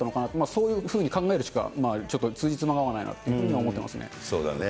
そういうふうに考えるしか、ちょっとつじつまが合わないなというふうに思ってますね。